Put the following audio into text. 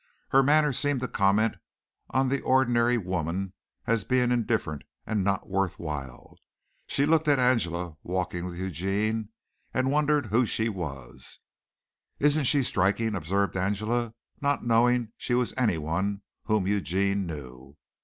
Her manner seemed to comment on the ordinary woman as being indifferent and not worth while. She looked at Angela walking with Eugene and wondered who she was. "Isn't she striking," observed Angela, not knowing she was anyone whom Eugene knew.